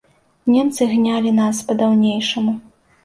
Немцы гнялі нас па-даўнейшаму.